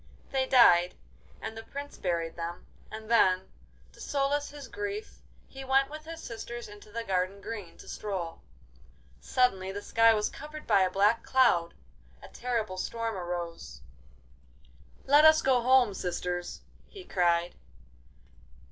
They died, and the Prince buried them, and then, to solace his grief, he went with his sisters into the garden green to stroll. Suddenly the sky was covered by a black cloud; a terrible storm arose. 'Let us go home, sisters!' he cried.